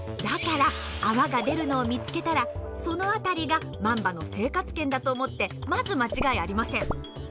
だから泡が出るのを見つけたらその辺りがマンバの生活圏だと思ってまず間違いありません。